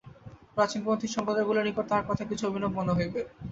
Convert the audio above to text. প্রাচীনপন্থী সম্প্রদায়গুলির নিকট তাঁহার কথা কিছু অভিনব মনে হইবে।